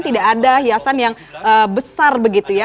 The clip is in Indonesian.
tidak ada hiasan yang besar begitu ya